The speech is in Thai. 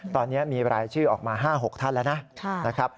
ตอนนี้มีรายชื่อออกมา๕๖ท่านแล้วนะครับ